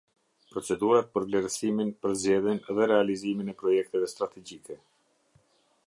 Procedurat për vlerësimin, përzgjedhjen dhe realizimin e projekteve strategjike.